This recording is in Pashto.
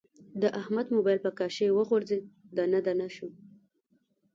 د احمد مبایل په کاشي و غورځید، دانه دانه شو.